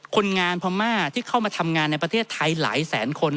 คนงานพม่าที่เข้ามาทำงานในประเทศไทยหลายแสนคน